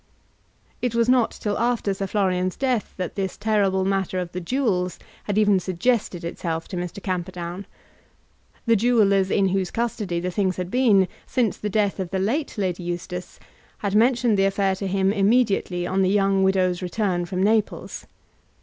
It was not till after Sir Florian's death that this terrible matter of the jewels had even suggested itself to Mr. Camperdown. The jewellers in whose custody the things had been since the death of the late Lady Eustace had mentioned the affair to him immediately on the young widow's return from Naples.